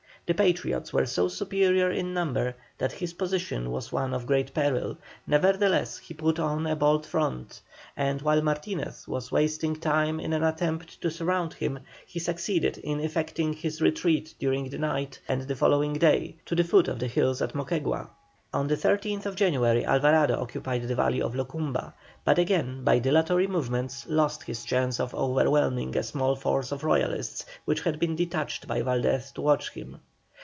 The Patriots were so superior in number that his position was one of great peril; nevertheless he put on a bold front, and while Martinez was wasting time in an attempt to surround him, he succeeded in effecting his retreat during the night and the following day to the foot of the hills at Moquegua. On the 13th January Alvarado occupied the valley of Locumba, but again by dilatory movements lost his chance of overwhelming a small force of Royalists which had been detached by Valdés to watch him.